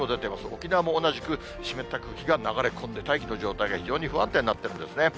沖縄も同じく湿った空気が流れ込んで、大気の状態が非常に不安定になってるんですね。